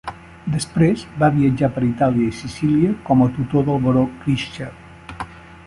Després va viatjar per Itàlia i Sicília com a tutor del baró Krischer.